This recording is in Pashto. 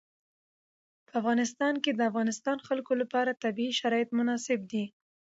په افغانستان کې د د افغانستان خلکو لپاره طبیعي شرایط مناسب دي.